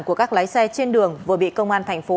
của các lái xe trên đường vừa bị công an thành phố